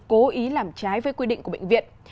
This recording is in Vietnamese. cố ý làm trái với quy định của bệnh viện